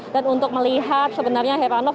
dan untuk melihat sebenarnya heranov